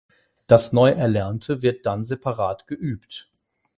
Das neu Erlernte wird dann separat geübt.